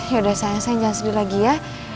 yaudah sayang sayang jangan sedih lagi ya